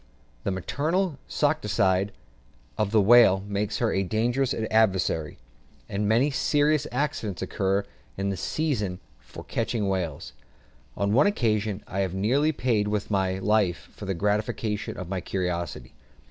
The "maternal solicitude" of the whale makes her a dangerous adversary, and many serious accidents occur in the season for catching whales. On one occasion I had nearly paid with my life for the gratification of my curiosity.